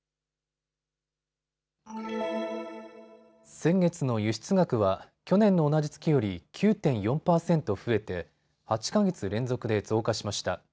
先月の輸出額は去年の同じ月より９．４％増えて８か月連続で増加しました。